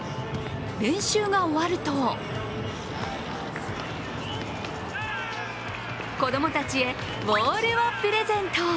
練習が終わると子供たちへボールをプレゼント。